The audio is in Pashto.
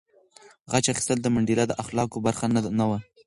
غچ اخیستل د منډېلا د اخلاقو برخه نه وه.